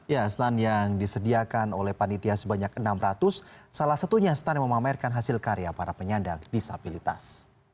ya stand yang disediakan oleh panitia sebanyak enam ratus salah satunya stand memamerkan hasil karya para penyandang disabilitas